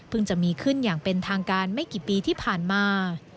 จะมีขึ้นอย่างเป็นทางการไม่กี่ปีที่ผ่านมา